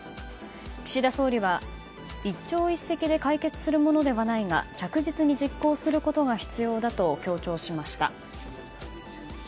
岸田総理は、一朝一夕で解決するものではないが着実に実行することが必要だと強調しました。